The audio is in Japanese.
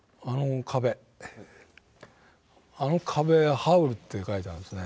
あの壁は「ＨＯＷＬ」って書いてあるんですね。